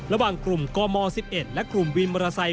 ระหว่างกลุ่มกม๑๑และกลุ่มวินมอเตอร์ไซค